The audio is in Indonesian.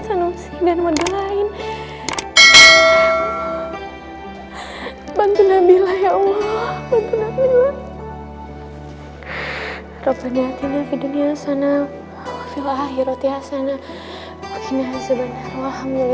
soleh diizinkan disini lagi